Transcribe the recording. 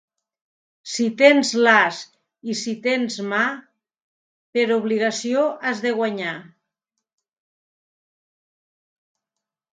Si tens l'as i si tens mà, per obligació has de guanyar.